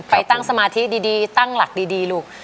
ไปตั้งสมาธิดีตั้งหลักดีลูก